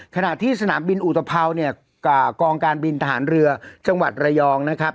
ขณะที่สนามบินอุตภัวเนี่ยกองการบินทหารเรือจังหวัดระยองนะครับ